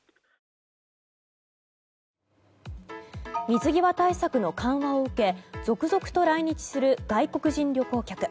水際対策の緩和を受け続々と来日する外国人旅行客。